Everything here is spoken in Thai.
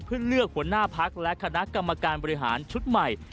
เพื่อเลือกหัวหน้าพักและคณะกรรมการบริหารชุดใหม่